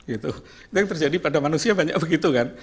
itu yang terjadi pada manusia banyak begitu kan